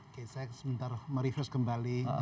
oke saya sebentar mereverse kembali